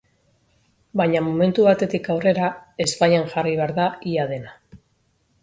Baina momentu batetik aurrera ezbaian jarri behar da ia dena.